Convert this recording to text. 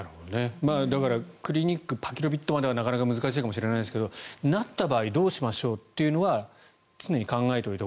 だから、クリニックパキロビッドまではなかなか難しいかもしれませんがなった場合どうしましょうというのは常に考えたほうがいいと。